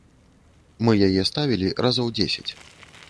Мы яе ставілі разоў дзесяць.